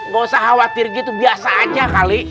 gak usah khawatir gitu biasa aja kali